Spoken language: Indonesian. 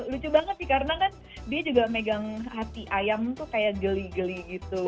lucu banget sih karena kan dia juga megang hati ayam tuh kayak geli geli gitu